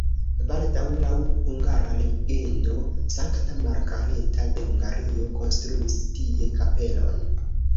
Baldaŭ laŭ hungara legendo Sankta Margareta de Hungario konstruis tie kapelon.